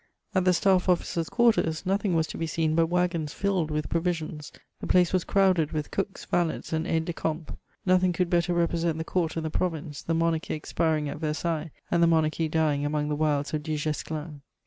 At the staff officers' quarters, nothing was to be seea but waggons filled with proyisions; the place was crowded with cooks, valets, and aides de camp. Nothing could better r^resent the court and the province, the monarchy expiring at Versailles, and the monarchy dying among the wilds of Du Guesclin.